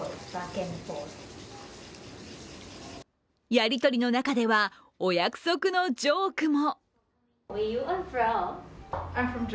やり取りの中ではお約束のジョークも。